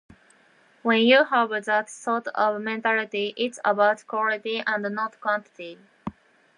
When you have that sort of mentality, it's about quality and not quantity.